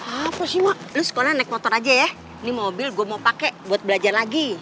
apa sih mak lu sekolah naik motor aja ya ini mobil gue mau pakai buat belajar lagi